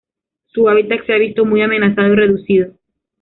Su hábitat se ha visto muy amenazado y reducido.